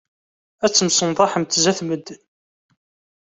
Ad temsenḍaḥemt zdat medden.